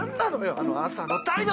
あの朝の態度！